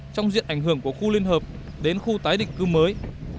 trong diện ảnh hưởng của khu liên hợp đến khu tái định cư mới